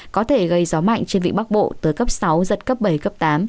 có thể gây gió mạnh trên vịnh bắc bộ tới cấp sáu giật cấp bảy cấp tám